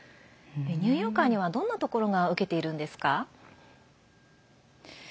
ニューヨーカーにはどんなところが受けているんですか？